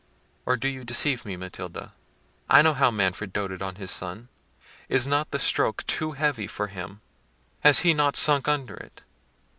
Or do you deceive me, Matilda? I know how Manfred doted on his son: is not the stroke too heavy for him? has he not sunk under it?